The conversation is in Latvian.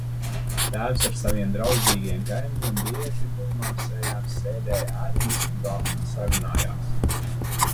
Tēvs ar saviem draudzīgajiem kaimiņiem bieži drūmām sejām sēdēja ēdamistabā un sarunājās.